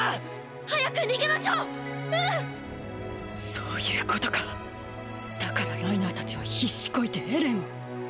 そういうことかだからライナーたちは必死こいてエレンを。